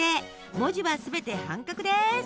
文字は全て半角です。